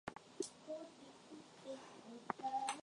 Ukraine yafanikiwa kuzishambulia meli za kivita za Urusi